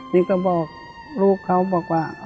นี่ก็บอกลูกเขาบอกว่า